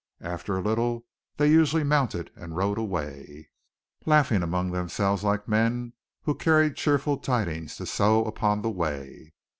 After a little they usually mounted and rode away, laughing among themselves like men who carried cheerful tidings to sow upon the way.